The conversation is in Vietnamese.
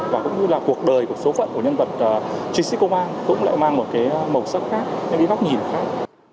và cũng như là cuộc đời cuộc số phận của nhân vật chisiko mang cũng lại mang một cái màu sắc khác một cái góc nhìn khác